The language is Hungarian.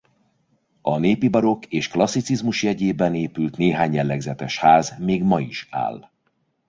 A népi barokk és klasszicizmus jegyében épült néhány jellegzetes ház még ma is áll.